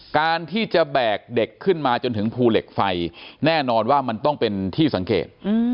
การที่จะแบกเด็กขึ้นมาจนถึงภูเหล็กไฟแน่นอนว่ามันต้องเป็นที่สังเกต